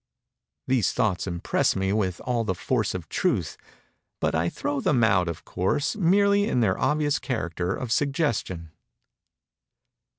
These thoughts impress me with all the force of truth—but I throw them out, of course, merely in their obvious character of suggestion.